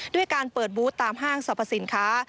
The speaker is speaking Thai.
ด้วยการเปิดบูธตามห้างสรรพสินค้า